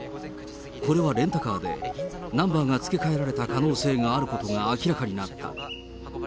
これはレンタカーで、ナンバーが付け替えられた可能性があることが明らかになった。